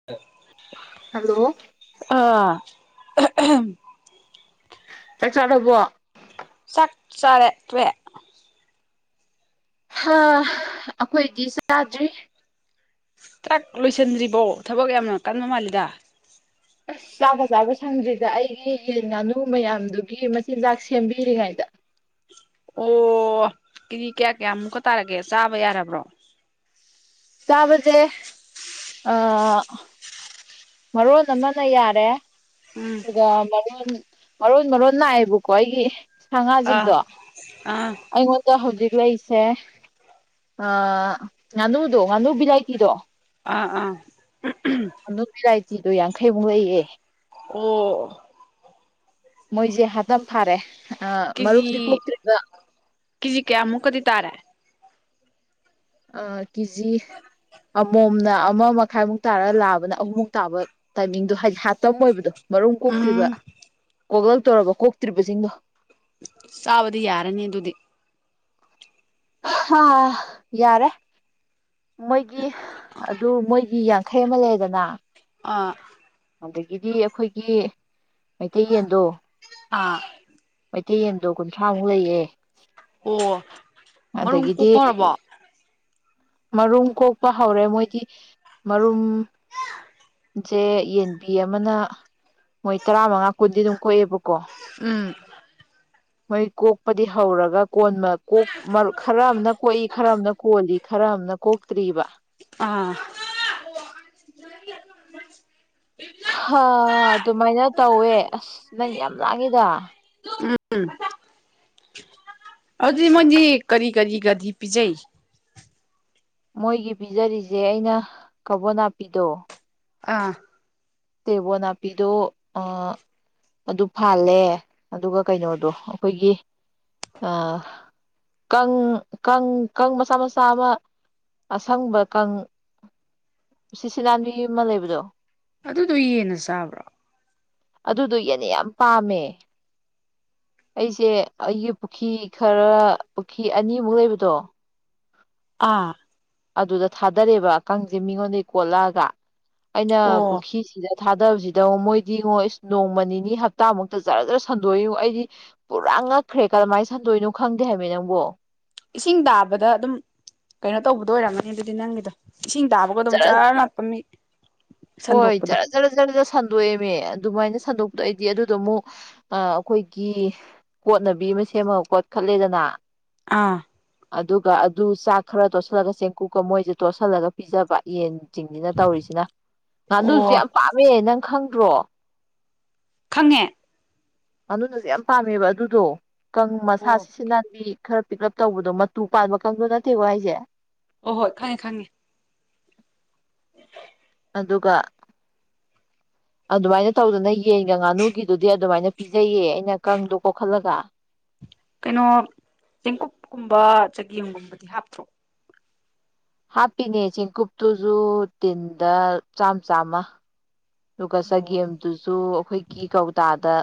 [inaudible] Hello ꯑꯥ [unintelligible] ꯆꯥꯛ ꯆꯥꯔꯕꯣ ꯆꯥꯛ ꯆꯥꯔꯦ ꯇꯣꯛꯑꯦ꯫ ꯍꯥ ꯑꯩꯈꯣꯏꯗꯤ ꯆꯥꯗ꯭ꯔꯤ꯫ ꯆꯥꯛ ꯂꯣꯏꯁꯤꯟꯗ꯭ꯔꯤꯕꯣ ꯊꯕꯛ ꯌꯥꯝꯅ ꯀꯟꯕ ꯃꯥꯜꯂꯤꯗ꯫ ꯑꯁ ꯆꯥꯛꯀ ꯆꯥꯕ ꯁꯪꯗ꯭ꯔꯤꯗ ꯑꯩꯒꯤ ꯌꯦꯟ ꯉꯥꯅꯨ ꯃꯌꯥꯝꯗꯨꯒꯤ ꯃꯆꯤꯟꯖꯥꯛ ꯁꯦꯝꯕꯤꯔꯤꯉꯥꯏꯗ꯫ ꯑꯣ ꯀꯦꯖꯤ ꯀꯌꯥ ꯀꯌꯥꯃꯨꯛꯀ ꯇꯥꯔꯒꯦ ꯆꯥꯕ ꯌꯥꯔꯕ꯭ꯔꯣ꯫ ꯆꯥꯕꯖꯦ ꯑꯥ ꯃꯔꯣꯜ ꯑꯃꯥꯅ ꯌꯥꯔꯦ꯫ ꯎꯝ ꯇꯥ ꯃꯔꯣꯟ ꯃꯔꯣꯟ ꯃꯔꯣꯟ ꯅꯥꯏꯑꯦꯕꯀꯣ ꯑꯩꯒꯤ ꯁꯥ ꯑꯥ ꯉꯥꯖꯤꯡꯗꯣ꯫ ꯑꯥ ꯑꯩꯉꯣꯟꯗ ꯍꯧꯖꯤꯛ ꯂꯩꯁꯦ ꯑ ꯉꯥꯅꯨꯗꯣ ꯉꯥꯅꯨ ꯚꯤꯂꯥꯏꯇꯤꯗꯣ ꯑꯥ ꯑꯥ ꯎ ꯎꯝ ꯑꯗꯣ ꯚꯤꯔꯥꯏꯇꯤꯗꯣ ꯌꯥꯡꯈꯩꯃꯨꯛ ꯂꯩꯌꯦ꯫ ꯑꯣ ꯃꯣꯏꯁꯦ ꯍꯥꯠꯇꯝ ꯐꯥꯔꯦ꯫ ꯑꯥ ꯀꯦꯖꯤ ꯃꯔꯨꯝꯗꯤ ꯀꯣꯛꯇ꯭ꯔꯤꯕ ꯀꯦꯖꯤ ꯀꯌꯥꯃꯨꯛꯀꯗꯤ ꯇꯥꯔꯦ꯫ ꯑ ꯀꯦꯖꯤ ꯑꯃꯣꯝ꯫ ꯑꯃꯣꯝꯅ ꯑꯃ ꯃꯈꯥꯏꯃꯨꯛ ꯇꯥꯔꯒ ꯂꯥꯕꯅ ꯑꯍꯨꯝꯃꯨꯛ ꯇꯥꯕ ꯇꯥꯏꯃꯤꯡꯗꯣ ꯍꯥꯏꯗꯤ ꯍꯥꯇꯝ ꯑꯣꯏꯕꯗꯣ꯫ ꯃꯔꯨꯝ ꯀꯣꯛꯇ꯭ꯔꯤꯕ ꯎꯝ ꯀꯣꯛꯂꯛ ꯇꯣꯔꯕ ꯀꯣꯛꯇ꯭ꯔꯤꯕꯁꯤꯡꯗꯣ꯫ ꯆꯥꯕꯗꯤ ꯌꯥꯔꯅꯤ ꯑꯗꯨꯗꯤ꯫ ꯍꯥ ꯌꯥꯔꯦ ꯃꯣꯏꯒꯤ ꯑꯗꯨ ꯃꯣꯏ ꯃꯤ ꯌꯥꯡꯈꯩ ꯑꯃ ꯂꯩꯗꯅ ꯑꯥ ꯑꯗꯒꯤꯗꯤ ꯑꯩꯈꯣꯏꯒꯤ ꯃꯩꯇꯩꯌꯦꯟꯗꯣ ꯑꯥ ꯃꯩꯇꯩ ꯌꯦꯟꯗꯣ ꯀꯨꯟꯊ꯭ꯔꯥꯃꯨꯛ ꯂꯩꯌꯦ꯫ ꯑꯣ ꯃꯔꯨꯝ ꯑꯗꯒꯤꯗꯤ ꯀꯣꯛꯄ ꯍꯧꯔꯕꯣ ꯃꯔꯨꯝ ꯀꯣꯛꯄ ꯍꯧꯔꯦ ꯃꯣꯏꯗꯤ ꯃꯔꯨꯝ ꯁꯦ ꯌꯦꯟꯕꯤ ꯑꯃꯅ ꯃꯣꯏ ꯇꯔꯥ ꯃꯉꯥ ꯀꯨꯟꯗꯤ ꯑꯗꯨꯝ ꯀꯣꯛꯑꯦꯕꯀꯣ ꯎꯝ ꯃꯣꯏ ꯀꯣꯛꯄꯗꯤ ꯍꯧꯔꯒ ꯀꯣꯟꯅ ꯀꯣꯛ ꯃꯔ ꯈꯔ ꯑꯃꯅ ꯀꯣꯛꯏ ꯈꯔ ꯑꯃꯅ ꯀꯣꯜꯂꯤ ꯈꯔ ꯑꯃꯅ ꯀꯣꯛꯇ꯭ꯔꯤꯕ ꯑꯥ [unintelligible] ꯍꯥ ꯑꯗꯨꯃꯥꯏꯅ ꯇꯧꯋꯦ ꯑꯁ ꯅꯪ ꯌꯥꯝ ꯂꯥꯡꯉꯤꯗ ꯎꯝ ꯑꯗꯨꯗꯤ ꯃꯣꯏꯗꯤ ꯀꯔꯤ ꯀꯔꯤꯒꯗꯤ ꯄꯤꯖꯩ ꯃꯣꯏꯒꯤ ꯄꯤꯖꯔꯤꯖꯦ ꯑꯩꯅ ꯀꯕꯣ ꯅꯥꯄꯤꯗꯣ ꯑꯥ ꯇꯦꯕꯣ ꯅꯥꯄꯤꯗꯣ ꯑ ꯑꯗꯨ ꯐꯥꯜꯂꯦ ꯑꯗꯨꯒ ꯀꯩꯅꯣꯗꯣ ꯑꯩꯈꯣꯏꯒꯤ ꯑ ꯀꯪ ꯀꯪ ꯀꯪ ꯃꯆꯥ ꯃꯆꯥ ꯑꯃ ꯑꯁꯪꯕ ꯀꯪ ꯁꯤꯠ ꯁꯤꯠ ꯅꯥꯥꯟꯕꯤ ꯑꯃ ꯂꯩꯕꯗꯣ ꯑꯗꯨꯗꯣ ꯌꯦꯟꯅ ꯆꯥꯕ꯭ꯔꯣ ꯑꯗꯨꯗꯣ ꯌꯦꯟꯅ ꯌꯥꯝ ꯄꯥꯝꯃꯦ ꯑꯩꯁꯦ ꯑꯩꯒꯤ ꯄꯨꯈꯤ ꯈꯔ ꯄꯨꯈꯤ ꯑꯅꯤꯃꯨꯛ ꯂꯩꯕꯗꯣ ꯑꯥ ꯑꯗꯨꯗ ꯊꯥꯗꯔꯦꯕ ꯀꯪꯁꯦ ꯃꯤꯉꯣꯟꯗꯩ ꯀꯣꯠꯂꯛꯑꯒ ꯑꯩꯅ ꯑꯣ ꯄꯨꯈ꯭ꯔꯤꯁꯤꯗ ꯊꯥꯗꯕꯁꯤꯗ ꯃꯣꯏꯗꯤꯉꯣ ꯏꯁ ꯅꯣꯡꯃ ꯅꯤꯅꯤ ꯍꯞꯇꯥꯃꯨꯛꯇ ꯖꯔ ꯖꯔ ꯁꯟꯗꯣꯛꯏꯉꯣ ꯑꯩꯗꯤ ꯄꯨꯔꯥ ꯉꯛꯈ꯭ꯔꯦ ꯀꯃꯥꯏꯅ ꯁꯟꯗꯣꯏꯅꯣ ꯈꯪꯗꯦ ꯍꯥꯏꯕ ꯅꯪꯕꯨ ꯏꯁꯤꯡ ꯇꯥꯕꯗ ꯑꯗꯨꯝ ꯀꯩꯅꯣ ꯇꯧꯕꯗꯣ ꯑꯣꯏꯔꯝꯃꯅꯤ ꯑꯗꯨꯗꯤ ꯅꯪꯒꯤꯗꯣ ꯏꯁꯤꯡ ꯇꯥꯕꯒ ꯑꯗꯨꯝ ꯖꯔ ꯂꯥꯛꯄ ꯅꯤ ꯍꯣꯏ ꯖꯔ ꯖ ꯖꯔ ꯖꯔ ꯖꯔ ꯁꯟꯗꯣꯛꯑꯦꯃꯤ ꯑꯗꯨꯃꯥꯏꯅ ꯁꯟꯗꯣꯛꯄꯗꯣ ꯑꯩꯗꯤ ꯑꯗꯨꯗꯨ ꯃꯨꯛ ꯑ ꯑꯩꯈꯣꯏꯒꯤ ꯀꯣꯠꯅꯕꯤ ꯑꯃ ꯁꯦꯝꯃꯒ ꯀꯣꯠꯈꯠꯂꯦꯗꯅ ꯑꯥ ꯑꯗꯨꯒ ꯑꯗꯨ ꯆꯥꯛ ꯈꯔ ꯇꯣꯠꯁꯤꯜꯂꯒ ꯆꯦꯡꯀꯨꯞꯀ ꯃꯣꯏꯁꯦ ꯇꯣꯠꯁꯤꯜꯂꯒ ꯄꯤꯖꯕ ꯌꯦꯟ ꯆꯤꯡꯖꯤꯅ ꯇꯧꯔꯤꯁꯤꯅ ꯉꯥꯅꯨꯖꯨ ꯑꯣ ꯌꯥꯝ ꯄꯥꯝꯃꯦ ꯅꯪ ꯈꯪꯗ꯭ꯔꯣ ꯈꯪꯉꯦ ꯑꯗꯨꯗꯨꯗꯤ ꯌꯥꯝ ꯄꯥꯝꯃꯦꯕ ꯑꯗꯨꯗꯣ ꯀꯪ ꯃꯁꯥ ꯑꯣ ꯁꯤꯠ ꯁꯤꯠ ꯅꯥꯟꯕꯤ ꯈꯔ ꯄꯤꯛꯂꯞ ꯇꯧꯕꯗꯣ ꯃꯇꯨ ꯄꯥꯟꯕ ꯀꯪꯗꯣ ꯅꯠꯇꯦꯀꯣ ꯍꯥꯏꯖꯦ ꯑꯣ ꯍꯣꯏ ꯈꯪꯉꯦ ꯈꯪꯉꯦ ꯑꯗꯨꯒ ꯑꯗꯨꯃꯥꯏꯅ ꯇꯧꯗꯅ ꯌꯦꯟꯒ ꯉꯥꯅꯨꯒꯤꯗꯨꯗꯤ ꯑꯗꯨꯃꯥꯏꯅ ꯄꯤꯖꯩꯌꯦ ꯑꯩꯅ ꯀꯪꯗꯣ ꯀꯣꯛꯈꯠꯂꯒ ꯀꯩꯅꯣ ꯆꯦꯡꯀꯨꯞꯀꯨꯝꯕ ꯆꯒꯦꯝꯒꯨꯝꯕꯗꯤ ꯍꯥꯞꯇ꯭ꯔꯣ ꯍꯥꯞꯄꯤꯅꯦ ꯆꯦꯡꯀꯨꯞꯇꯨꯁꯖꯨ ꯇꯤꯟꯗ ꯆꯥꯝ ꯆꯥꯝꯃ ꯗꯨꯒ ꯑꯣ ꯆꯥꯒꯦꯝꯗꯨꯁꯨ ꯑꯩꯈꯣꯏ ꯒꯤ ꯀꯧꯇꯥꯗ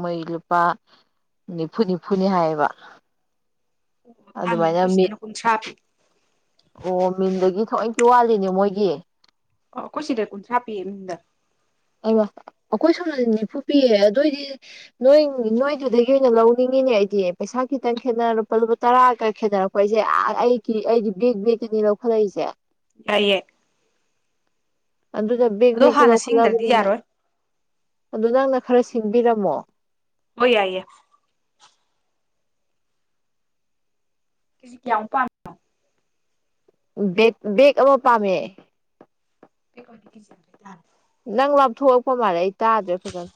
ꯃꯣꯏ ꯂꯨꯄꯥ ꯅꯤꯐꯨ ꯅꯤꯐꯨꯅꯤ ꯍꯥꯏꯌꯦꯕ ꯇꯥꯡꯉꯤ ꯑꯗꯨꯃꯥꯏꯅ ꯑꯩꯈꯣꯏ ꯃꯤꯟ ꯁꯤꯗꯅ ꯀꯨꯟꯊ꯭ꯔꯥ ꯄꯤ ꯑꯣ ꯃꯤꯟꯗꯒꯤ ꯊꯑꯣꯏ ꯀꯤ ꯋꯥꯜꯂꯤꯅꯦ ꯃꯣꯏꯒꯤ ꯑꯣ ꯑꯈꯣꯏ ꯁꯤꯗ ꯀꯨꯟꯊ꯭ꯔꯥ ꯄꯤꯌꯦ ꯃꯤꯟꯗ ꯑꯩꯃ ꯑꯩꯈꯣꯏ ꯁꯣꯝꯗꯗꯤ ꯅꯤꯐꯨ ꯄꯤꯌꯦ ꯑꯗꯣꯏꯗꯤ ꯅꯣꯏ ꯅꯣꯏꯗꯨꯗꯒꯤ ꯑꯣꯏꯅ ꯂꯧꯅꯤꯡꯉꯤꯅꯦ ꯑꯩꯗꯤ ꯄꯩꯁꯥ ꯈꯤꯇꯪ ꯈꯦꯠꯅꯔ ꯂꯨꯄꯥ ꯂꯨꯄꯥ ꯇꯔꯥꯒ ꯈꯦꯠꯅꯔꯛ ꯈꯣꯏꯁꯦ ꯑꯥ ꯑꯩꯒꯤ ꯑꯩꯒꯤ ꯕꯦꯛ ꯕꯦꯛꯇꯥꯅꯤ ꯂꯧꯈꯠꯂꯛꯏꯖꯦ ꯌꯥꯏꯌꯦ ꯑꯗꯨꯅ ꯕꯦꯛ ꯑꯗꯣ ꯕꯦꯛꯇꯥ ꯍꯥꯟꯅ ꯁꯤꯡꯗ꯭ꯔꯗꯤ ꯂꯧꯈꯠꯂꯛꯑꯕꯅꯤ ꯌꯥꯔꯣꯏ ꯑꯗꯨ ꯅꯪꯅ ꯈꯔ ꯁꯤꯡꯕꯤꯔꯝꯃꯣ ꯍꯣꯏ ꯌꯥꯏꯌꯦ ꯀꯤꯖꯤ ꯀ꯭ꯌꯥꯃꯨꯛ ꯄꯥꯝ ꯕꯦꯛ ꯕꯦꯛ ꯑꯃ ꯄꯥꯝꯃꯦ ꯕꯦꯛ ꯀꯝꯗꯤ ꯀꯤꯖꯤ ꯌꯥꯡꯈꯩ ꯇꯥꯔꯦ ꯅꯪ ꯂꯥꯞꯊꯣꯑꯛꯄ ꯃꯥꯜꯂꯦ ꯑꯩ ꯇꯥꯗ꯭ꯔꯦ ꯐꯖꯅ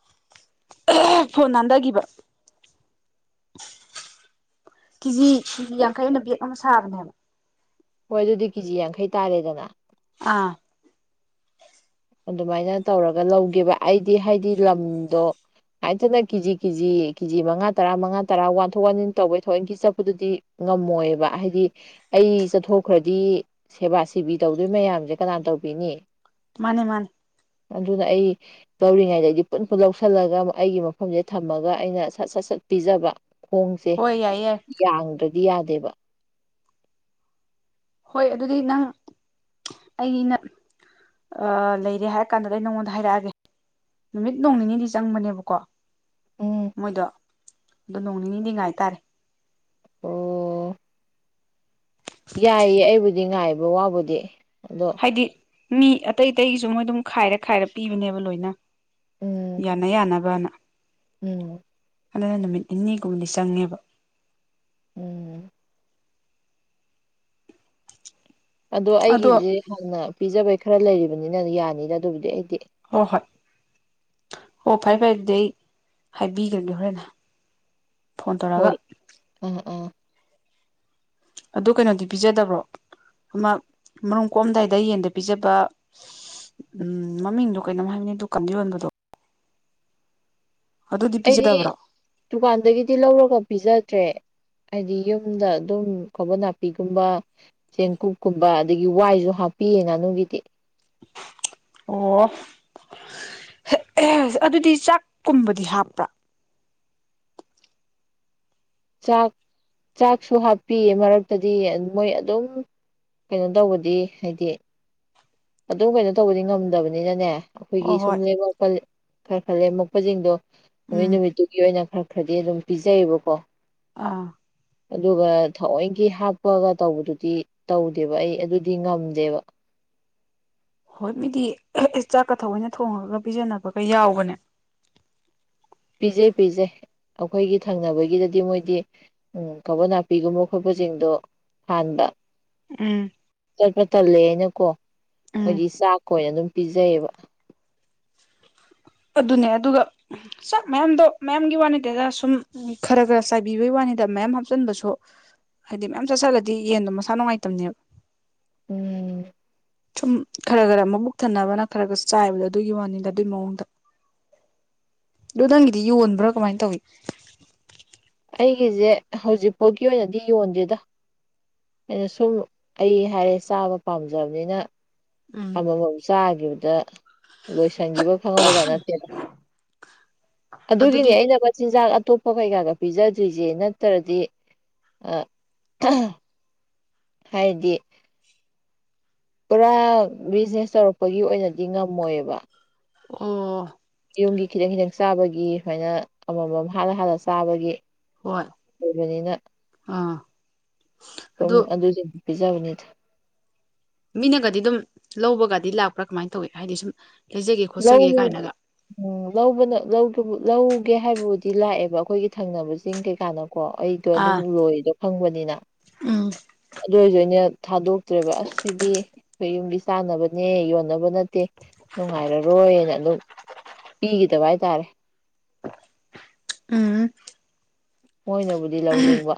[unintelligible] ꯐꯣꯟ ꯅꯥꯟꯗꯒꯤꯕ ꯀꯤꯖꯤ ꯀꯤꯖꯤ ꯌꯥꯡꯈꯩꯅ ꯕꯦꯛ ꯑꯃ ꯁꯥꯕꯅꯦꯕ ꯍꯣꯏ ꯑꯗꯨꯗꯤ ꯀꯦꯖꯤ ꯌꯥꯡꯈꯩ ꯇꯥꯔꯦꯗꯅ ꯑꯥ ꯑꯗꯨꯃꯥꯏꯅ ꯇꯧꯔꯒ ꯂꯧꯒꯦꯕ ꯑꯩꯗꯤ ꯍꯥꯏꯗꯤ ꯂꯝꯗꯣ ꯉꯥꯢꯇꯅ ꯀꯤꯖꯤ ꯀꯤꯖꯤ ꯀꯤꯖꯤ ꯃꯉꯥ ꯇꯔꯥ ꯃꯉꯥ ꯇꯔꯥ ꯋꯥꯟꯊꯣꯛ ꯋꯥꯟꯖꯤꯟ ꯇꯧꯕꯩ ꯊꯥꯑꯣꯢꯀꯤ ꯆꯠꯄꯗꯨꯗꯤ ꯉꯝꯃꯣꯏꯕ ꯍꯥꯏꯗꯤ ꯑꯩ ꯆꯠꯊꯣꯛꯈ꯭ꯔꯥꯗꯤ ꯁꯦꯕꯥ ꯁꯦꯕꯤ ꯇꯧꯗꯣꯏ ꯃꯌꯥꯝꯖꯦ ꯀꯅꯥꯟ ꯇꯧꯕꯤꯅꯤ ꯃꯥꯅꯦ ꯃꯥꯅꯦ ꯑꯗꯨꯅ ꯑꯩ ꯂꯧꯔꯤꯉꯩꯗ ꯑꯩꯗꯤ ꯄꯨꯟ ꯄꯨꯟ ꯂꯧꯁꯜꯂꯒ ꯑꯩꯒꯤ ꯃꯐꯝꯖꯤꯗ ꯊꯝꯃꯒ ꯑꯩꯅ ꯁꯠ ꯁꯠ ꯁꯠ ꯄꯤꯖꯕ ꯈꯣꯡꯖꯦ ꯍꯣꯏ ꯌꯥꯏꯌꯦ ꯌꯥꯏ ꯌꯥꯡꯗ꯭ꯔꯥꯗꯤ ꯌꯥꯗꯦꯕ ꯍꯣꯏ ꯑꯗꯨꯗꯤ ꯅꯪ ꯑꯩꯅ ꯑꯥ ꯂꯩꯔꯦ ꯍꯥꯏꯔꯥ ꯀꯥꯟꯗꯥꯗ ꯑꯩ ꯅꯉꯣꯟꯗ ꯍꯥꯏꯔꯛꯑꯒꯦ ꯅꯨꯃꯤꯠ ꯅꯣꯡ ꯅꯤꯅꯤꯗꯤ ꯆꯪꯕꯅꯦꯕꯀꯣ ꯎꯝ ꯃꯣꯏꯗꯣ ꯑꯗꯣ ꯅꯣꯡ ꯅꯤꯅꯤꯗꯤ ꯉꯥꯏꯇꯥꯔꯦ ꯑꯣ ꯌꯥꯏꯌꯦ ꯑꯩꯕꯨꯗꯤ ꯉꯥꯏꯕ ꯋꯥꯕꯨꯗꯤ ꯑꯗꯣ ꯍꯥꯏꯗꯤ ꯃꯤ ꯑꯇꯩ ꯑꯇꯩꯒꯤꯁꯨ ꯃꯣꯏ ꯗꯨꯝ ꯈꯥꯏꯔꯥ ꯈꯥꯏꯔꯥ ꯄꯤꯕꯅꯦꯕ ꯂꯣꯏꯅ ꯌꯥꯅ ꯌꯥꯅꯕꯅ ꯑꯣ ꯑꯗꯨꯅ ꯅꯨꯃꯤꯠ ꯅꯤꯅꯤꯒꯨꯝꯕꯗꯤ ꯆꯪꯉꯦꯕ ꯎꯝ ꯑꯗꯣ ꯑꯩꯒꯤꯖꯤ ꯍꯥꯟꯅ ꯄꯤꯖꯕꯩ ꯈꯔ ꯂꯩꯔꯤꯕꯅꯤꯅ ꯌꯥꯅꯤꯗ ꯑꯗꯨꯕꯨꯗꯤ ꯑꯩꯗꯤ ꯍꯣ ꯍꯣꯏ ꯍꯣ ꯐꯔꯦ ꯐꯔꯦ ꯑꯗꯨꯗꯤ ꯑꯩ ꯍꯥꯏꯕꯤꯒ꯭ꯔꯥꯒꯦ ꯍꯣꯔꯦꯟ ꯐꯣꯟ ꯇꯧꯔꯒꯥ ꯍꯣꯏ ꯑꯥ ꯑꯥ ꯑꯗꯨ ꯀꯩꯅꯣꯗꯤ ꯄꯤꯖꯗꯕ꯭ꯔꯣ ꯑꯃ ꯃꯔꯨꯝ ꯀꯣ ꯑꯝꯗꯥꯏꯗ ꯌꯦꯟꯗ ꯄꯤꯖꯕ ꯎꯝ ꯃꯃꯤꯡꯗꯣ ꯀꯩꯅꯣꯝ ꯍꯥꯏꯕꯅꯦ ꯗꯨꯀꯟꯗꯥ ꯌꯣꯟꯕꯗꯣ ꯑꯗꯨꯗꯤ ꯑꯩꯗꯤ ꯄꯤꯖꯗꯕ꯭ꯔꯣ ꯇꯨꯀꯥꯟꯗꯒꯤꯗꯤ ꯂꯧꯔꯒꯥ ꯄꯤꯖꯗ꯭ꯔꯦ ꯑꯩꯗꯤ ꯌꯨꯝꯗꯥ ꯑꯗꯨꯝ ꯀꯥꯕꯣ ꯅꯥꯄꯤꯒꯨꯝꯕ ꯆꯦꯡꯀꯨꯞ ꯀꯨꯝꯕ ꯑꯗꯒꯤ ꯋꯥꯏꯖꯨ ꯍꯥꯞꯄꯤꯌꯦ ꯉꯥꯅꯨꯒꯤꯗꯤ ꯑꯣ [unintelligible] ꯑꯗꯨꯗꯤ ꯆꯥꯛ ꯀꯨꯝꯕꯗꯤ ꯍꯥꯞꯄ꯭ꯔꯥ ꯆꯥꯛ ꯆꯥꯛꯁꯨ ꯍꯥꯞꯄꯤꯌꯦ ꯃꯔꯛꯇꯥꯗꯤ ꯃꯣꯏ ꯑꯗꯨꯝ ꯀꯩꯅꯣ ꯇꯧꯕꯗꯤ ꯍꯥꯏꯗꯤ ꯑꯗꯨꯝ ꯀꯩꯅꯣ ꯇꯧꯕꯗꯤ ꯉꯝꯗꯕꯅꯤꯅꯅꯦ ꯑꯈꯣꯏꯒꯤ ꯍꯣꯏ ꯁꯨꯝ ꯍꯣꯏ ꯂꯦꯝꯃꯛꯄꯜ ꯈꯔ ꯈꯔ ꯂꯦꯝꯃꯛꯄꯖꯤꯡꯗꯣ ꯅꯨꯃꯤ ꯎꯝ ꯅꯨꯃꯤꯠꯇꯨꯒꯤ ꯑꯣꯏꯅ ꯈꯔ ꯈꯔꯗꯤ ꯑꯗꯨꯝ ꯄꯤꯖꯩꯑꯕꯀꯣ ꯑꯥ ꯑꯗꯨꯒ ꯊꯥꯑꯣꯏꯀꯤ ꯍꯥꯞꯄꯒ ꯇꯧꯕꯗꯨꯗꯤ ꯇꯧꯗꯦꯕ ꯑꯩ ꯑꯗꯨꯗꯤ ꯉꯝꯗꯦꯕ ꯍꯣꯏ ꯃꯤꯗꯤ ꯆꯥꯛꯀ ꯊꯑꯣꯏꯅ ꯊꯣꯡꯉꯒ ꯄꯤꯖꯅꯕꯒꯥ ꯌꯥꯎꯕꯅꯦ ꯄꯤꯖꯩ ꯄꯤꯖꯩ ꯑꯩꯈꯣꯏꯒꯤ ꯊꯪꯅꯕꯒꯤꯗꯗꯤ ꯃꯣꯏꯗꯤ ꯎꯝ ꯀꯕꯣ ꯅꯥꯄꯤꯒꯨꯝꯕ ꯈꯣꯠꯄꯖꯤꯡꯗꯣ ꯐꯥꯟꯕ ꯎꯝ ꯆꯠꯄ ꯇꯜꯂꯦꯑꯦꯅꯀꯣ ꯎꯝ ꯃꯣꯏꯗꯤ ꯆꯥꯛꯀ ꯑꯣꯏꯅ ꯑꯗꯨꯝ ꯄꯤꯖꯩꯌꯦꯕ ꯑꯗꯨꯅꯦ ꯑꯗꯨꯒ ꯆꯥꯛ ꯃꯌꯥꯝꯗꯣ ꯃꯌꯥꯝꯒꯤ ꯋꯥ ꯅꯠꯇꯦꯗ ꯁꯨꯝ ꯈꯔ ꯈꯔ ꯆꯥꯏꯕꯤꯕꯩ ꯋꯥꯅꯤꯗ ꯃꯌꯥꯝ ꯍꯥꯞꯆꯟꯕꯁꯨ ꯍꯥꯏꯗꯤ ꯃꯌꯥꯝ ꯆꯥꯁꯜꯂꯗꯤ ꯌꯦꯟꯗꯣ ꯃꯁꯥ ꯅꯨꯡꯉꯥꯏꯇꯝꯅꯦꯕ ꯎꯝ ꯁꯨꯝ ꯈꯔ ꯈꯔ ꯃꯕꯨꯛ ꯊꯟꯅꯕꯅ ꯈꯔ ꯈꯔ ꯆꯥꯏꯕꯗꯣ ꯑꯗꯨꯒꯤ ꯋꯥꯅꯤꯗ ꯑꯗꯨꯏ ꯃꯑꯣꯡꯗ ꯗꯣ ꯅꯪꯒꯤꯗꯤ ꯌꯣꯟꯕ꯭ꯔꯥ ꯀꯃꯥꯏꯟ ꯇꯧꯋꯤ ꯑꯩꯒꯤꯖꯦ ꯍꯧꯖꯤꯛꯄꯧꯒꯤ ꯑꯣꯏꯅꯗꯤ ꯌꯣꯟꯗꯦꯗ ꯑꯩꯅ ꯁꯨꯝ ꯑꯩ ꯍꯥꯏꯔꯦ ꯆꯥꯕ ꯄꯥꯝꯖꯕꯅꯤꯅ ꯎꯝ ꯑꯃꯃꯝ ꯆꯥꯒꯤꯕꯗ ꯂꯣꯏꯁꯟꯒꯤꯕꯒ ꯈꯪꯍꯧꯕꯖꯥꯠ ꯅꯠꯇꯦꯗ ꯑꯗꯨꯒꯤꯅꯦ ꯑꯗꯨꯗꯤ ꯑꯩꯅ ꯃꯆꯤꯟꯖꯥꯛ ꯑꯇꯣꯞ ꯄ ꯀꯩꯀꯥꯒ ꯄꯤꯖꯗ꯭ꯔꯤꯖꯦ ꯅꯠꯇ꯭ꯔꯗꯤ ꯑꯥ ꯍꯥꯏꯗꯤ ꯄꯨꯔꯥ ꯕꯤꯖꯤꯅꯦꯁ ꯇꯧꯔꯛꯄꯒꯤ ꯑꯣꯏꯅꯗꯤ ꯉꯝꯃꯣꯏꯕ ꯎꯪ ꯌꯨꯝꯒꯤ ꯈꯤꯇꯪ ꯈꯤꯇꯪ ꯆꯥꯕꯒꯤ ꯁꯨꯃꯥꯏꯅ ꯑꯃꯃꯝ ꯍꯥꯠꯂ ꯍꯥꯠꯂ ꯆꯥꯕꯒꯤ ꯍꯣꯏ ꯑꯣꯏꯕꯅꯤꯅ ꯑꯥ ꯁꯨꯝ ꯑꯗꯨ ꯑꯗꯨꯖꯤꯡꯗꯨ ꯄꯤꯖꯕꯅꯤꯗ ꯃꯤꯅꯒꯗꯤ ꯑꯗꯨꯝ ꯂꯧꯕꯒꯥꯗꯤ ꯂꯥꯛꯄ꯭ꯔꯥ ꯀꯃꯥꯏꯟ ꯇꯧꯋꯤ ꯍꯥꯏꯗꯤ ꯁꯨꯝ ꯂꯩꯖꯒꯦ ꯈꯣꯠꯆꯒꯦ ꯂꯧ ꯀꯥꯏꯅꯒ ꯎꯝ ꯂꯧꯕꯅ ꯂꯧꯒꯦꯕꯨ ꯂꯧꯒꯦ ꯍꯥꯏꯕꯕꯨꯗꯤ ꯂꯥꯛꯑꯦꯕ ꯑꯩꯈꯣꯏꯒꯤ ꯊꯪꯅꯕꯖꯤꯡ ꯀꯩꯀꯥꯅꯀꯣ ꯑꯩ ꯗꯣ ꯗꯨꯝ ꯑꯥ ꯂꯣꯏꯗꯣ ꯈꯪꯕꯅꯤꯅ ꯎꯝ ꯑꯗꯨ ꯑꯣꯏꯁꯨ ꯑꯩꯅ ꯊꯥꯗꯣꯛꯇ꯭ꯔꯦꯕ ꯑꯁ ꯁꯤꯗꯤ ꯑꯩꯈꯣꯏ ꯌꯨꯝꯒꯤ ꯆꯥꯅꯕꯅꯦ ꯌꯣꯟꯅꯕ ꯅꯠꯇꯦ ꯅꯨꯡꯉꯥꯏꯔꯔꯣꯏꯌꯦꯅ ꯑꯗꯨꯝ ꯄꯤꯒꯤꯗꯕ ꯍꯥꯏꯇꯥꯔꯦ ꯎꯝ ꯃꯣꯏꯅꯕꯨꯗꯤ ꯂꯧꯅꯤꯡꯕ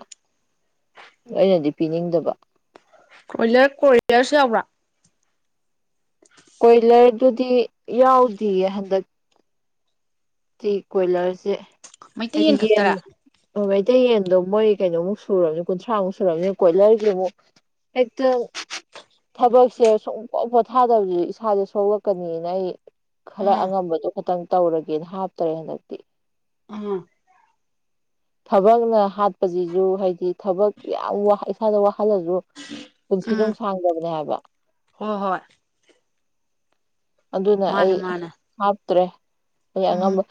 ꯑꯩꯅꯗꯤ ꯄꯤꯅꯤꯡꯗꯕ ꯀꯣꯏꯂꯔ ꯀꯣꯔꯤꯂꯔꯁꯨ ꯌꯥꯎꯕ꯭ꯔꯥ ꯀꯣꯏꯂꯔꯗꯨꯗꯤ ꯌꯥꯎꯗꯤꯌꯦ ꯍꯟꯗꯛ ꯆꯤ ꯀꯣꯏꯂꯔꯁꯦ ꯃꯩꯇꯩ ꯑꯩ ꯌꯦꯟ ꯈꯛꯇꯔꯥ ꯑꯣ ꯃꯩꯇꯩ ꯌꯦꯟꯗꯣ ꯃꯣꯏ ꯀꯩꯅꯣꯃꯨꯛ ꯁꯨꯔꯝꯅꯤ ꯀꯨꯟꯊ꯭ꯔꯥꯃꯨꯛ ꯁꯨꯔꯝꯅꯤꯅ ꯀꯣꯏꯂꯔꯖꯦ ꯃꯨꯛ ꯍꯦꯛꯇꯥ ꯊꯕꯛꯁꯦ ꯁꯨꯡꯄꯣ ꯄꯣꯠꯊꯥꯗꯕꯖꯦ ꯏꯁꯥꯥꯖꯦ ꯁꯣꯛꯂꯛꯀꯅꯤꯅ ꯑꯩ ꯈꯔ ꯑꯥ ꯑꯉꯝꯕꯗꯣ ꯈꯇꯪ ꯇꯧꯔꯒꯦꯅ ꯍꯥꯞꯇꯔꯦ ꯍꯟꯗꯛꯇꯤ ꯑꯥ ꯊꯕꯛꯅ ꯍꯥꯠꯄꯖꯤꯖꯨ ꯍꯥꯏꯗꯤ ꯊꯕꯛ ꯌꯥꯝ ꯋꯥ ꯏꯁꯥꯗ ꯋꯥꯍꯜꯂꯖꯨ ꯄꯨꯟꯁꯤ ꯅꯨꯡꯁꯥꯡꯗꯕꯅꯦ ꯍꯥꯏꯕ ꯍꯣ ꯍꯣꯏ ꯑꯗꯨꯅ ꯑꯩ ꯃꯥꯅꯦ ꯃꯥꯅꯦ ꯍꯥꯞꯇ꯭ꯔꯦ ꯑꯩ ꯎꯝ ꯑꯉꯝꯕ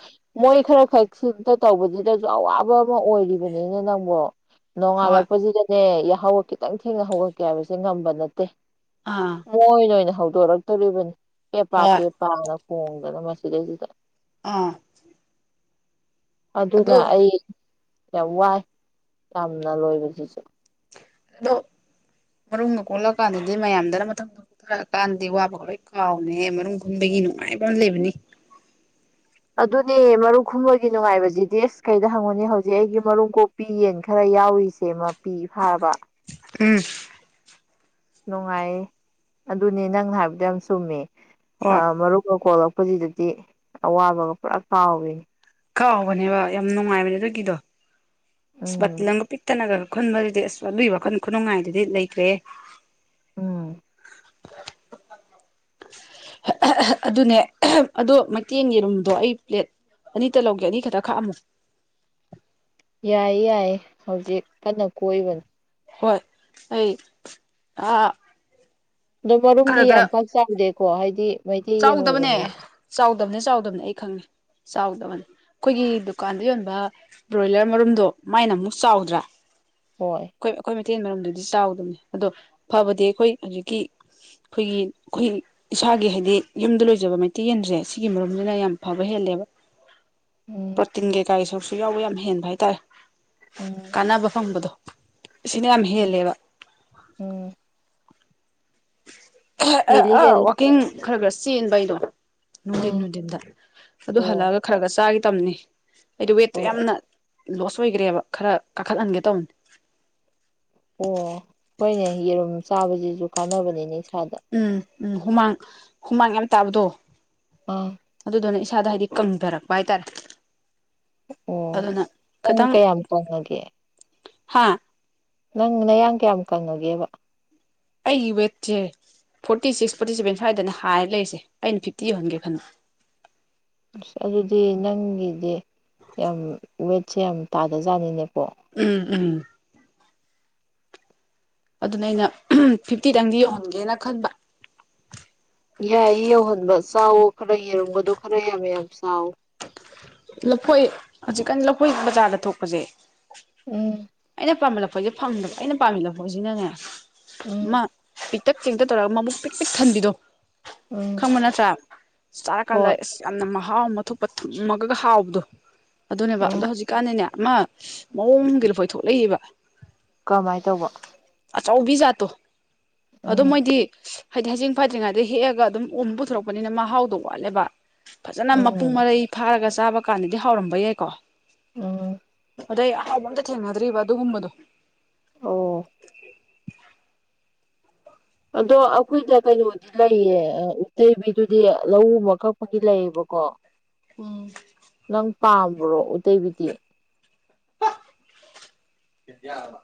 ꯃꯣꯏ ꯈꯔꯈꯛ ꯁꯤꯝꯇ ꯇꯧꯕꯖꯤꯗꯖꯨ ꯑꯋꯥꯕ ꯑꯃ ꯑꯣꯏꯔꯤꯕꯅꯤꯅꯦ ꯅꯪꯕꯣ ꯍꯣꯏ ꯅꯣꯡꯉꯥꯜꯂꯛꯄꯁꯤꯗ ꯁꯦ ꯌꯥꯍꯧꯒ ꯈꯤꯇꯪ ꯊꯦꯡꯅ ꯍꯧꯒꯠꯀꯦ ꯍꯥꯏꯕꯁꯦ ꯉꯝꯕ ꯅꯠꯇꯦ ꯑꯥ ꯃꯣꯏꯅ ꯑꯣꯏꯅ ꯍꯧꯗꯣꯔꯛꯇꯧꯔꯤꯕꯅꯤ ꯄꯦ ꯄꯥ ꯍꯣꯏ ꯄꯦ ꯄꯥꯅ ꯈꯣꯡꯗꯅ ꯃꯁꯤꯗꯩꯁꯤꯗ ꯑꯥ ꯑꯗꯣ ꯑꯗꯨꯅ ꯑꯩ ꯌꯥꯝ ꯋꯥꯏ ꯌꯥꯝꯅ ꯂꯣꯏꯕꯁꯤꯁꯨ ꯑꯗꯣ ꯃꯔꯨꯝꯒ ꯀꯣꯛꯂꯛꯑꯀꯥꯟꯗꯗꯤ ꯃꯌꯥꯝꯗꯅ ꯃꯊꯪ ꯈꯔ ꯀꯥꯟꯗꯗꯤ ꯋꯥꯕꯒ ꯂꯣꯏ ꯀꯥꯎꯕꯅꯦꯍꯦ ꯃꯔꯨꯝ ꯈꯨꯟꯕꯒꯤ ꯅꯨꯡꯉꯥꯏꯕ ꯑꯃ ꯂꯩꯕꯅꯤ ꯑꯗꯨꯅꯦ ꯃꯔꯨꯝ ꯈꯨꯟꯕꯒꯤ ꯅꯨꯡꯉꯥꯏꯕꯁꯤꯗꯤ ꯑꯁ ꯀꯩꯗ ꯍꯪꯉꯨꯅꯤ ꯍꯧꯖꯤꯛ ꯑꯩꯒꯤ ꯃꯔꯨꯝ ꯀꯣꯛ ꯄꯤ ꯌꯦꯟ ꯈꯔ ꯌꯥꯎꯔꯤꯁꯦ ꯃꯥꯄꯤ ꯐꯥꯔꯕ ꯎꯝ ꯅꯨꯡꯉꯥꯏꯌꯦ ꯑꯗꯨꯅꯦ ꯅꯪꯅ ꯍꯥꯏꯕꯗꯣ ꯌꯥꯝ ꯆꯨꯝꯃꯦ ꯍꯣꯏ ꯑꯥ ꯃꯔꯨꯝꯒ ꯀꯣꯛꯂꯛ ꯄꯁꯤꯗꯗꯤ ꯑꯋꯥꯕꯒ ꯄꯨꯔꯥ ꯀꯥꯎꯋꯦ ꯀꯥꯎꯕꯅꯦꯕ ꯌꯥꯝ ꯅꯨꯡꯉꯥꯏꯕꯅꯦ ꯑꯗꯨꯒꯤꯗꯣ ꯑꯁ ꯕꯇꯤꯜ ꯎꯝ ꯑꯃꯒ ꯄꯤꯛ ꯇꯟꯅꯒ ꯈꯨꯟꯕꯁꯤꯗꯤ ꯑꯁ ꯑꯗꯨꯢ ꯋꯥꯈꯟ ꯈꯨꯅꯨꯡꯉꯥꯢꯗꯨꯗꯤ ꯂꯩꯇ꯭ꯔꯦꯍꯦ ꯎꯝ ꯑꯗꯨꯅꯦ ꯑꯗꯣ ꯃꯩꯊꯦꯟ ꯌꯦꯟ ꯃꯔꯨꯝꯗꯣ ꯑꯩ ꯄ꯭ꯂꯦꯠ ꯑꯅꯤꯇ ꯂꯧꯒꯦ ꯑꯅꯤ ꯈꯛꯇ ꯈꯥꯛꯑꯝꯃꯣ ꯌꯥꯏꯌꯦ ꯌꯥꯏꯌꯦ ꯍꯧꯖꯤꯛ ꯀꯟꯅ ꯀꯣꯏꯕꯅꯦ ꯍꯣꯏ ꯑꯩ ꯑꯥ ꯑꯗꯣ ꯈꯔ ꯃꯔꯨꯝꯗꯤ ꯈꯔ ꯌꯥꯝ ꯄꯥꯛ ꯆꯥꯎꯗꯦꯀꯣ ꯍꯥꯏꯗꯤ ꯃꯩꯇꯩ ꯌꯦꯟ ꯆꯥꯎꯗꯕꯅꯦ ꯑꯣꯏꯕꯅꯤꯅ ꯆꯥꯎꯗꯕꯅꯦ ꯆꯥꯎꯗꯕꯅꯦ ꯑꯩ ꯈꯪꯉꯦ ꯆꯥꯎꯗꯕꯅꯦ ꯑꯩꯈꯣꯏꯒꯤ ꯗꯨꯀꯥꯟꯗ ꯌꯣꯟꯕ ꯕ꯭ꯔꯣꯏꯂꯔ ꯃꯔꯨꯝꯗꯣ ꯃꯥꯏꯅ ꯑꯃꯨꯛ ꯆꯥꯎꯗ꯭ꯔꯥ ꯍꯣꯏ ꯑꯩꯈꯣꯏ ꯑꯩꯈꯣꯏ ꯃꯩꯊꯩ ꯌꯦꯟ ꯃꯔꯨꯝꯗꯨꯗꯤ ꯆꯥꯎꯗꯕꯅꯦ ꯑꯗꯣ ꯐꯕꯗꯤ ꯑꯩꯈꯣꯏ ꯍꯧꯖꯤꯛꯀꯤ ꯑꯩꯈꯣꯏꯒꯤ ꯑꯩꯈꯣꯏ ꯏꯁꯥꯒꯤ ꯍꯩ ꯗꯤ ꯌꯨꯝꯗ ꯂꯣꯏꯖꯕ ꯃꯩꯇꯩ ꯌꯦꯟꯁꯦ ꯁꯤꯒꯤ ꯃꯔꯨꯝꯁꯤꯅ ꯌꯥꯝ ꯐꯕ ꯍꯦꯜꯂꯦꯕ ꯎꯝ ꯄ꯭ꯔꯣꯇꯤꯟ ꯀꯩꯀꯥꯒꯤ ꯁꯔꯨꯛꯁꯨ ꯌꯥꯎꯕ ꯌꯥꯝ ꯍꯦꯟꯕ ꯍꯥꯏꯇꯥꯔꯦ ꯎꯝ ꯀꯥꯟꯅꯕ ꯐꯪꯕꯗꯣ ꯁꯤꯅ ꯌꯥꯝ ꯍꯦꯜꯂꯦꯕ ꯎꯝ [unintelligible] ꯑꯥ ꯍꯦꯜꯂꯤ ꯑꯥ ꯍꯦꯜꯂꯤ ꯋꯀꯤꯡ ꯈꯔ ꯈꯔ ꯆꯦꯟꯕ ꯑꯩꯗꯣ ꯅꯨꯡꯊꯤꯟ ꯎꯝ ꯅꯨꯡꯊꯤꯟꯗ ꯑꯗꯨ ꯑꯣ ꯍꯜꯂꯛꯑꯒ ꯈꯔ ꯈꯔ ꯆꯥꯒꯦ ꯇꯝꯅꯦ ꯑꯩꯗꯣ ꯋꯦꯠꯇꯣ ꯑꯣ ꯌꯥꯝꯅ ꯂꯣꯁ ꯑꯣꯏꯒ꯭ꯔꯦꯕ ꯈꯔ ꯀꯥꯈꯠꯍꯟꯒꯦ ꯇꯧꯕꯅꯦ ꯑꯣ ꯍꯣꯏꯅꯦ ꯌꯦꯔꯨꯝ ꯆꯥꯕꯁꯤꯁꯨ ꯀꯥꯟꯅꯕꯅꯤꯅꯦ ꯏꯁꯥꯗ ꯎꯝ ꯎꯝ ꯍꯨꯃꯥꯡ ꯍꯨꯃꯥꯡ ꯌꯥꯝ ꯇꯥꯕꯗꯣ ꯑꯥ ꯑꯗꯨꯗꯨꯅ ꯏꯁꯥꯗ ꯍꯥꯏꯗꯤ ꯀꯟꯗꯔꯛꯄ ꯍꯥꯏꯇꯥꯔꯦ ꯑꯣ ꯅꯪ ꯀꯌꯥꯝ ꯀꯪꯉꯒꯦ ꯍꯥꯥ ꯅꯪ ꯅꯌꯥꯡ ꯀꯌꯥꯝ ꯀꯪꯉꯒꯦꯕ ꯑꯩꯒꯤ ꯋꯦꯠꯁꯦ ꯐꯣꯔꯇꯤ ꯁꯤꯛꯁ ꯐꯣꯔꯇꯤ ꯁꯚꯦꯟ ꯁ꯭ꯋꯥꯏꯗꯅꯦ ꯍꯥꯏꯔ ꯂꯩꯔꯤꯁꯦ ꯑꯩꯅ ꯐꯤꯐꯇꯤ ꯌꯧꯍꯟꯒꯦ ꯈꯟ ꯑꯁ ꯑꯗꯨꯗꯤ ꯅꯪꯒꯤꯖꯦ ꯌꯥꯝ ꯋꯦꯠꯁꯦ ꯌꯥꯝ ꯇꯥꯗꯖꯥꯠꯅꯤꯅꯦꯀꯣ ꯎꯝ ꯎꯝ ꯑꯗꯨꯅꯦ ꯑꯩꯅ ꯐꯤꯐꯇꯤꯗꯪꯗꯤ ꯌꯧꯍꯟꯒꯦꯅ ꯈꯟꯕ ꯌꯥꯏꯌꯦ ꯌꯧꯍꯟꯕ ꯆꯥꯎꯋꯣ ꯈꯔ ꯌꯦꯔꯨꯝꯒꯗꯣ ꯈꯔ ꯌꯥꯝ ꯌꯥꯝ ꯆꯥꯎ ꯂꯐꯣꯏ ꯍꯧꯖꯤꯛꯀꯥꯟ ꯂꯐꯣꯏ ꯕꯖꯥꯔꯗ ꯊꯣꯛꯄꯁꯦ ꯎꯝ ꯑꯩꯅ ꯄꯥꯝꯕ ꯂꯐꯣꯏꯁꯦ ꯐꯪꯗꯕ ꯑꯩꯅ ꯄꯥꯝꯃꯤ ꯂꯐꯣꯏꯁꯤꯅꯅꯦ ꯎꯝ ꯑꯃꯥ ꯄꯤꯛꯇꯛ ꯆꯦꯡꯇꯛ ꯇꯧꯔꯒ ꯃꯕꯨꯛ ꯄꯤꯛ ꯄꯤꯛ ꯊꯟꯕꯤꯗꯣ ꯎꯝ ꯈꯪꯕ ꯅꯠꯇ꯭ꯔꯥ ꯆꯥꯔꯀꯥꯟꯗ ꯍꯣꯏ ꯑꯁ ꯌꯥꯝꯅ ꯃꯍꯥꯎ ꯑꯃ ꯊꯨꯞꯄ ꯊꯨꯝꯃ ꯒ ꯍꯥꯎꯕꯗꯣ ꯑꯗꯨꯅꯦꯕ ꯑꯗꯣ ꯎꯝ ꯍꯧꯖꯤꯛꯀꯥꯟꯗꯤꯅꯦ ꯑꯃ ꯃꯑꯣꯡꯒꯤ ꯂꯐꯣꯢ ꯊꯣꯛꯂꯛꯏꯌꯦꯕ ꯀꯃꯥꯏ ꯇꯧꯕ ꯑꯆꯧꯕꯤ ꯖꯥꯠꯇꯣ ꯑꯗꯨ ꯎꯝ ꯃꯣꯏꯗꯤ ꯍꯥꯏꯗꯤ ꯍꯩꯖꯤꯡ ꯐꯗ꯭ꯔꯤꯉꯩꯗꯩ ꯍꯦꯛꯑꯒ ꯑꯗꯨꯝ ꯑꯣꯝ ꯄꯨꯊꯣꯔꯛꯄꯅꯤꯅ ꯃꯍꯥꯎꯗꯣ ꯋꯥꯠꯂꯦꯕ ꯐꯖꯅ ꯃꯄꯨꯡ ꯎꯝ ꯃꯔꯩ ꯐꯥꯔꯒ ꯆꯥꯕ ꯀꯥꯟꯗꯗꯤ ꯍꯥꯎꯔꯝꯕ ꯌꯥꯏꯀꯣ ꯎꯝ ꯑꯗꯩ ꯑꯍꯥꯎꯕ ꯑꯝꯇ ꯊꯦꯡꯅꯗ꯭ꯔꯤꯕ ꯑꯗꯨꯒꯨꯝꯕꯗꯣ ꯑꯣ ꯑꯗꯣ ꯑꯈꯣꯏꯗ ꯀꯩꯅꯣ ꯂꯩꯌꯦ ꯎꯠꯇꯩꯕꯤꯗꯨꯗꯤ ꯂꯧꯎꯕ ꯀꯛꯄꯒꯤ ꯂꯩꯌꯦꯕꯀꯣ ꯎꯝ ꯅꯪ ꯄꯥꯝꯕ꯭ꯔꯣ ꯎꯇꯩꯕꯤꯗꯤ ꯌꯥꯔꯕ